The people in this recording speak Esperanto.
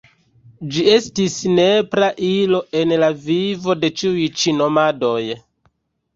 Ĝi estis nepra ilo en la vivo de ĉiuj ĉi nomadoj.